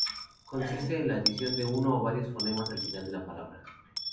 Consiste en la adición de uno o varios fonemas al final de una palabra.